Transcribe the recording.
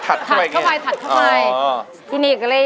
ถัดให้ถัดเข้าไปอย่างนี้ถัดเข้าไปถัดเข้าไป